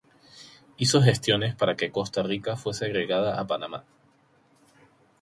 Hizo gestiones para que Costa Rica fuese agregada a Panamá.